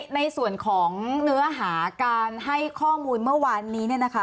ในส่วนของเนื้อหาการให้ข้อมูลเมื่อวานนี้